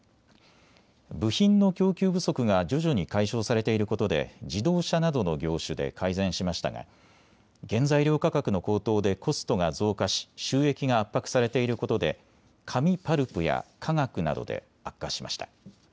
部品の供給不足が徐々に解消されていることで自動車などの業種で改善しましたが原材料価格の高騰でコストが増加し収益が圧迫されていることで紙・パルプや化学などで悪化しました。